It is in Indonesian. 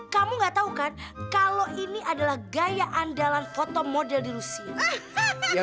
kamu gak tau kan kalau ini adalah gaya andalan foto model di rusia